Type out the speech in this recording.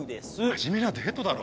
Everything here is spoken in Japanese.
真面目なデートだろ？